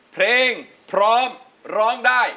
เพลงพร้อมร้องได้